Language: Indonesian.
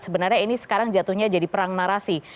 sebenarnya ini sekarang jatuhnya jadi perang narasi